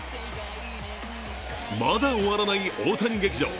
まだ終わらない大谷劇場。